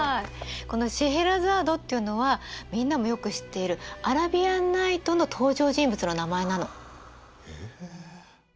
この「シェエラザード」っていうのはみんなもよく知っている「アラビアンナイト」の登場人物の名前なの。